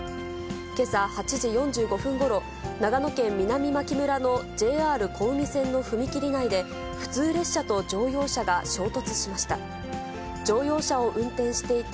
今朝８時４５分ごろ、長野県南牧村のＪＲ小海線の踏切内で、普通列車と乗用車が衝突しました。